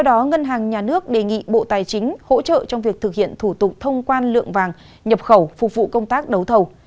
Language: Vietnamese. tài chính cũng được đề nghị hỗ trợ ngân hàng nhà nước trong việc thực hiện thủ tục thông qua lượng vàng nhập khẩu phục vụ công tác đấu thầu